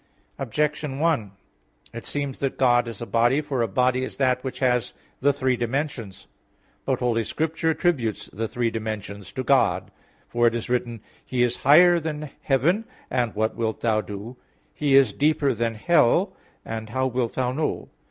Objection 1: It seems that God is a body. For a body is that which has the three dimensions. But Holy Scripture attributes the three dimensions to God, for it is written: "He is higher than Heaven, and what wilt thou do? He is deeper than Hell, and how wilt thou know?